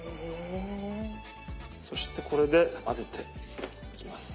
そしてこれで混ぜていきます。